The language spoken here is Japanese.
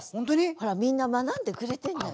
ほらみんな学んでくれてんだよ。